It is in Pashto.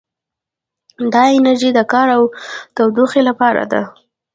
دا انرژي د کار او تودوخې لپاره ده.